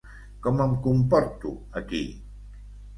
Com em comporto aquí?